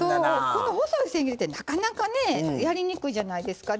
この細いせん切りってなかなかねやりにくいじゃないですか。